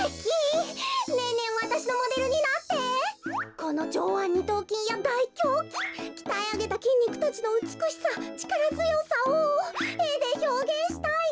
このじょうわんにとうきんやだいきょうきんきたえあげたきんにくたちのうつくしさちからづよさをえでひょうげんしたいの。